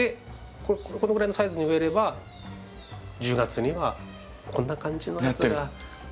このぐらいのサイズに植えれば１０月にはこんな感じのやつが持ってきて頂けるかなと。